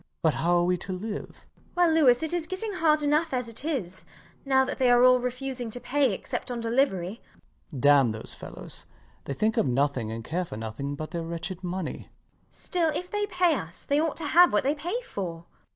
LOUIS. But how are we to live? MRS DUBEDAT. Well, Louis, it is getting hard enough as it is, now that they are all refusing to pay except on delivery. LOUIS. Damn those fellows! they think of nothing and care for nothing but their wretched money. MRS DUBEDAT. Still, if they pay us, they ought to have what they pay for.